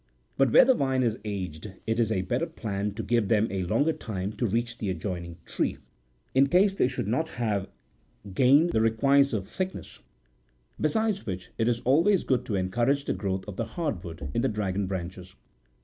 But where the vine is aged, it is a better plan to give them a longer time to reach the adjoining tree, in case they should not have gained the requisive thickness ; besides which, it is always good to encourage the growth of the hard wood in the dragon branches.